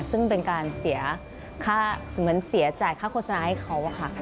ซึ่งเป็นการเสียจ่ายค่าโฆษณาให้เขาค่ะ